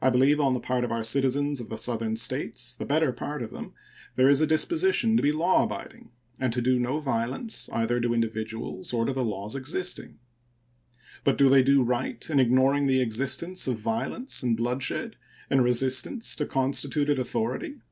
I believe on the part of our citizens of the Southern States the better part of them there is a disposition to be law abiding, and to do no violence either to individuals or to the laws existing. But do they do right in ignoring the existence of violence and bloodshed in resistance to constituted authority?